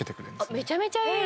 めちゃめちゃいい！